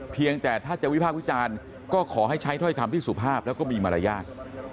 เพียงแต่ถ้าจะวิพากษ์วิจารณ์ก็ขอให้ใช้ถ้อยคำที่สุภาพแล้วก็มีมารยาท